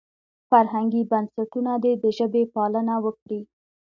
فرهنګي بنسټونه دې د ژبې پالنه وکړي.